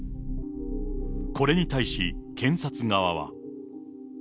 これに対し、検察側は。